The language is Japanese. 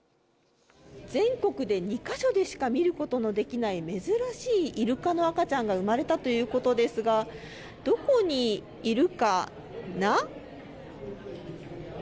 全国で２か所でしか見ることのできない珍しいいるかの赤ちゃんが生まれたということですがどこにいるかな。